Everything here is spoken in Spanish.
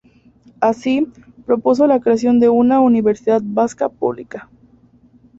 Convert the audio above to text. Así, propuso la creación de una universidad vasca pública.